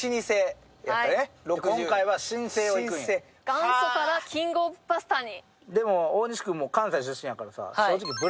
元祖からキングオブパスタに。